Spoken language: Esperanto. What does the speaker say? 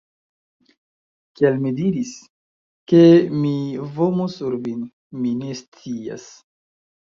Kial mi diris, ke mi vomus sur vin... mi ne scias